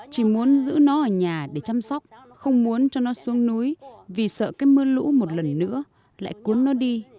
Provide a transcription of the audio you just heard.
chỉ muốn giữ nó ở nhà để chăm sóc không muốn cho nó xuống núi vì sợ cái mưa lũ một lần nữa lại cuốn nó đi